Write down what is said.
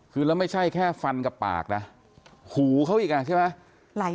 คือแล้วไม่ใช่แค่ฟันกับปากนะหูเขาอีกอ่ะใช่ไหม